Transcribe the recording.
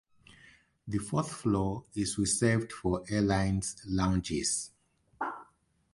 The fourth floor is reserved for airlines' lounges.